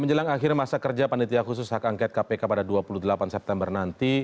menjelang akhirnya masa kerja pansus hak angket atas kpk pada dua puluh delapan september nanti